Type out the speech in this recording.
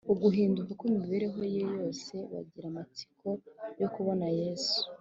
, uguhinduka kw’imibereho ye yose. Bagira amatsiko yo kubona Yesu.